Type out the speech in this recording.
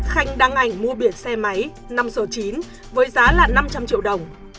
khanh đăng ảnh mua biển xe máy năm số chín với giá là năm trăm linh triệu đồng